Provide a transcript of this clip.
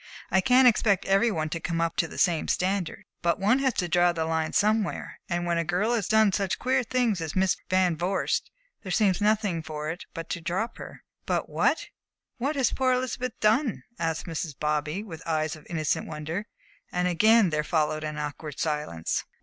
I can't expect every one to come up to the same standard. But one has to draw the line somewhere, and when a girl has done such queer things as Miss Van Vorst, there seems nothing for it but to drop her." "But what what has poor Elizabeth done?" asked Mrs. Bobby, with eyes of innocent wonder, and again there followed an awkward silence.